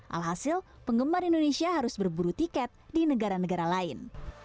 alhasil penggemar indonesia harus berburu tiket di negara negara lain